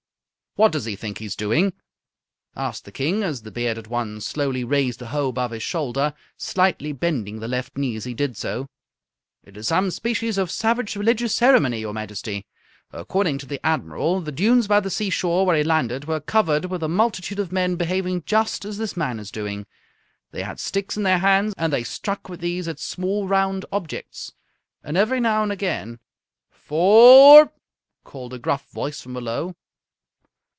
"What does he think he's doing?" asked the King, as the bearded one slowly raised the hoe above his right shoulder, slightly bending the left knee as he did so. "It is some species of savage religious ceremony, your Majesty. According to the admiral, the dunes by the seashore where he landed were covered with a multitude of men behaving just as this man is doing. They had sticks in their hands and they struck with these at small round objects. And every now and again " "Fo o ore!" called a gruff voice from below.